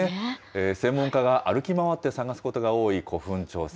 専門家が歩き回って探すことが多い古墳調査。